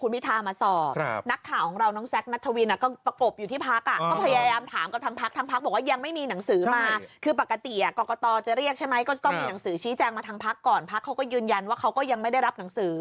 พระเขาก็ยืนยันว่าเขาก็ยังไม่ได้รับหนังสือ